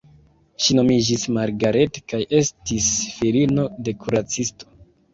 Ŝi nomiĝis Margaret kaj estis filino de kuracisto.